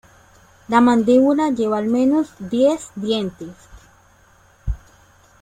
La mandíbula lleva al menos diez dientes.